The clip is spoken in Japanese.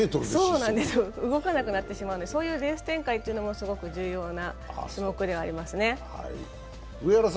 動かなくなってしまうので、そういうレース展開というのもすごく重要な種目ではありますね。